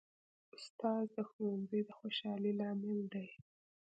استاد د ښوونځي د خوشحالۍ لامل دی.